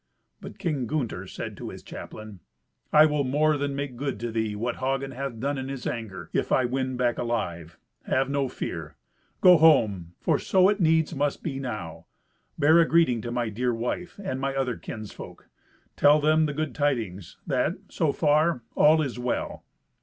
But King Gunther said to his chaplain, "I will more than make good to thee what Hagen hath done in his anger, if I win back alive. Have no fear. Go home, for so it needs must be now. Bear a greeting to my dear wife, and my other kinsfolk. Tell them the good tidings: that, so far, all is well."